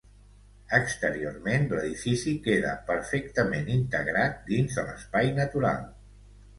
Exteriorment l'edifici queda perfectament integrat dins de l'espai natural.